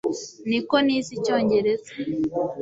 niko nize icyongereza